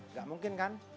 tidak mungkin kan